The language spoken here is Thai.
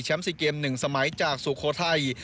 แชมป์๔เกม๑สมัยจากสุโครไทย